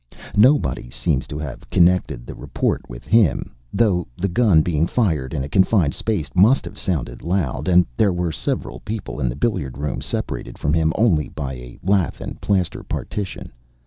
Nobody seems to have connected the report with him, though the gun, being fired in a confined space, must have sounded loud, and there were several people in the billiard room, separated from him only by a lath and plaster partition.